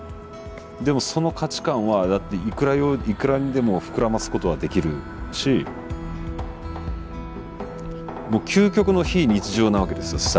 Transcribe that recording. でもその価値観はいくらにでも膨らますことはできるし究極の非日常なわけですよ